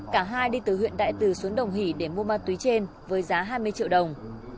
cả hai đi từ huyện đại từ xuống đồng hỷ để mua ma túy trên với giá hai mươi triệu đồng